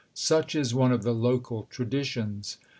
Such is one of the local traditions.